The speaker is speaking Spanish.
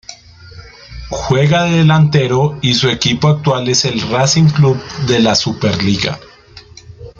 Juega de delantero y su equipo actual es el Racing Club de la Superliga.